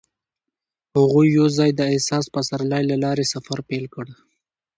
هغوی یوځای د حساس پسرلی له لارې سفر پیل کړ.